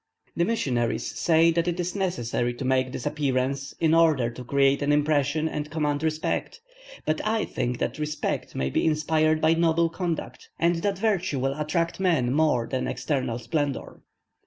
The missionaries say that it is necessary to make this appearance, in order to create an impression and command respect; but I think that respect may be inspired by noble conduct, and that virtue will attract men more than external splendour.